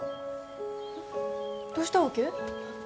どうしたわけ？